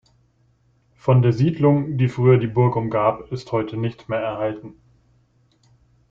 Von der Siedlung, die früher die Burg umgab, ist heute nichts mehr erhalten.